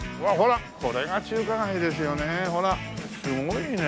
これが中華街ですよね。